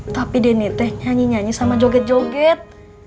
tapi denny teh nyanyi nyanyi sama joget joget